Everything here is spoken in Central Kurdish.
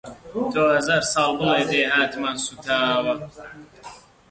تۆ هەزار ساڵ بڵێ دێهاتمان سووتاوە